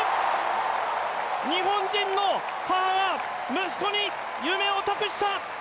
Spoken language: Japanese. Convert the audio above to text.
日本人の母は息子に夢を託した。